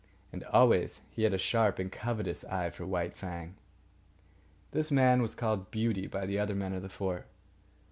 And always he had a sharp and covetous eye for White Fang. This man was called "Beauty" by the other men of the fort.